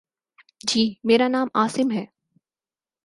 جی، میرا نام عاصم ہے